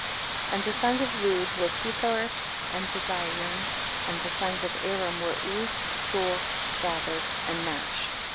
17. And the sons of Lud were Pethor and Bizayon, and the sons of Aram were Uz, Chul, Gather and Mash.